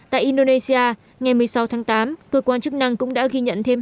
tại indonesia ngày một mươi sáu tháng tám cơ quan chức năng cũng đã ghi nhận thêm